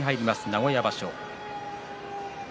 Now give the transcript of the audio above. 名古屋場所。